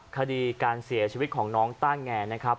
คดีการเสียชีวิตของน้องต้าแงนะครับ